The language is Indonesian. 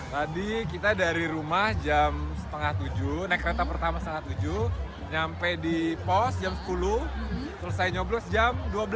tadi kita dari rumah jam setengah tujuh naik kereta pertama setengah tujuh nyampe di pos jam sepuluh selesai nyoblos jam dua belas